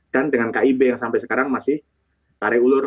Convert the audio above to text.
dan dengan kib yang sampai sekarang masih tarik ulur